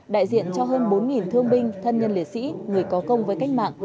đại diện cho hơn bốn thương binh thân nhân liệt sĩ người có công với cách mạng